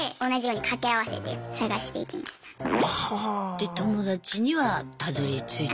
で友達にはたどりついた？